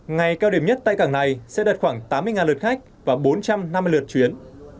ngày cao điểm nhất tại cảng này sẽ đạt khoảng tám mươi lượt khách và bốn trăm năm mươi lượt chuyến